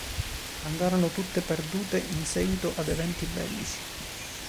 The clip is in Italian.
Andarono tutte perdute in seguito ad eventi bellici.